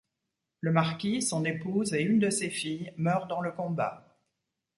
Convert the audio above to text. Le marquis, son épouse et une de ses filles meurent dans le combat.